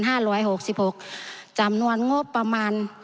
ร้อยหกสิบหกจำนวนงบประมาณ